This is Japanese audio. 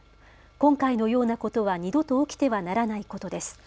今回のようなことは二度と起きてはならないことです。